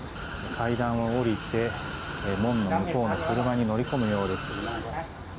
階段を下りて、門の向こうの車に乗り込むようです。